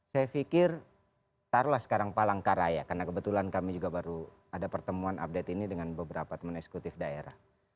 saya pikir taruhlah sekarang palangkaraya karena kebetulan kami juga baru ada pertemuan update ini dengan beberapa teman eksekutif daerah